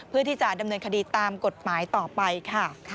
เพื่อที่จะดำเนินคดีตามกฎหมายต่อไปค่ะ